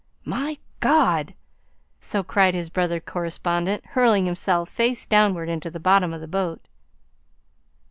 "My God!" So cried his brother correspondent, hurling himself, face downward, into the bottom of the boat.